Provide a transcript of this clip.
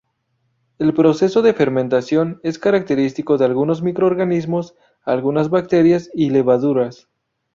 El proceso de fermentación es característico de algunos microorganismos: algunas bacterias y levaduras.